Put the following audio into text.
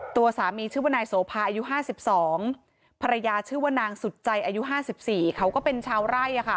ตัวสามีชื่อว่านายโสภาอายุ๕๒ภรรยาชื่อว่านางสุดใจอายุ๕๔เขาก็เป็นชาวไร่